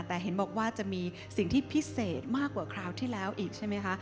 แต่เห็นบอกว่าจะมีสิ่งที่พิเศษมากกว่าคราวที่แล้วอีกใช่ไหมคะ